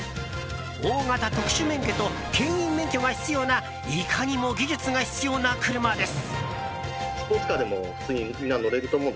大型特殊免許と牽引免許が必要ないかにも技術が必要な車です。